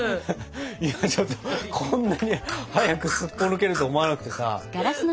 今ちょっとこんなに早くすっぽ抜けると思わなくてさ。